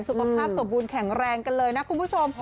สุขภาพสมบูรณแข็งแรงกันเลยนะคุณผู้ชม